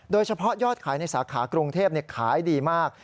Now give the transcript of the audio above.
โดยเฉพาะยอดขายในสาขากรุงเทพขายดีมาก